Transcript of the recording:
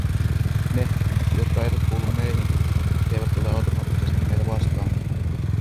Ne, jotka eivät kuulu meihin, eivät ole automaattisesti meitä vastaan.